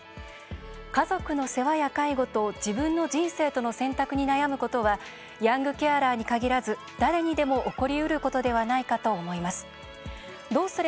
家族の世話や介護と自分の人生との選択に悩むことはヤングケアラーに限らず誰にでも起こりうることではないかと思います。